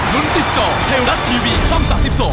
ลุ้นติดจอเทวรัตท์ทีวีช่อง๓๒